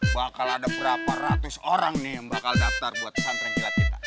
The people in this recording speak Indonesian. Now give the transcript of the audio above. bakal ada berapa ratus orang nih yang bakal daftar buat pesantren kilat kita